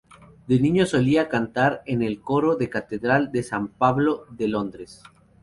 De niño solía cantar en el coro de Catedral de San Pablo de Londres.